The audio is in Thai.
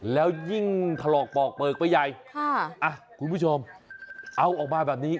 แล้วยิ่งถลอกปอกเปลือกไปใหญ่ค่ะอ่ะคุณผู้ชมเอาออกมาแบบนี้